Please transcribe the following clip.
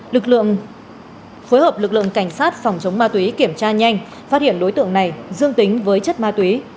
lực lượng phối hợp lực lượng cảnh sát phòng chống ma túy kiểm tra nhanh phát hiện đối tượng này dương tính với chất ma túy